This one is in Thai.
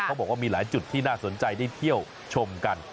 เขาบอกว่ามีหลายจุดที่น่าสนใจได้เที่ยวชมกัน